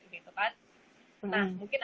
gitu kan nah mungkin